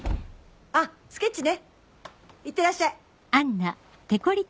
あっスケッチねいってらっしゃい。